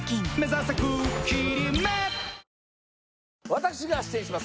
私が出演します